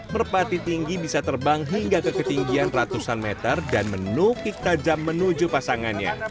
merpati tinggi bisa terbang hingga ke ketinggian ratusan meter dan menukik tajam menuju pasangannya